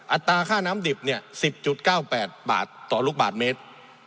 อัตราค่าน้ำดิบ๑๐๙๘บาทต่อลูกบาทเมตร